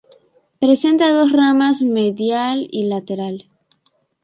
Presenta dos ramas, "medial" y "lateral".